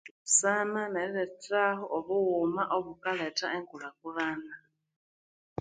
Sana nerilethaho obughuma obukaletha engulakulana